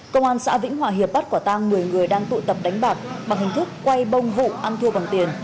công an xã vĩnh hòa hiệp bắt quả tang một mươi người đang tụ tập đánh bạc bằng hình thức quay bông vụ ăn thua bằng tiền